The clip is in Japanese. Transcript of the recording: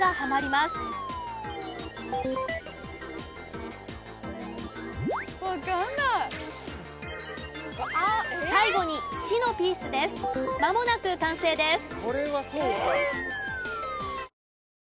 まもなく完成です。